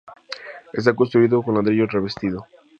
Está construido con ladrillo revestido.